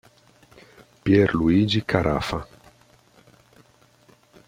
Pier Luigi Carafa